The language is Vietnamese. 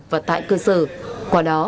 và tại cơ sở qua đó